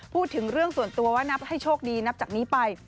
พูดถึงเรื่องส่วนตัวว่านับให้โชคดีนับจากนี้ไป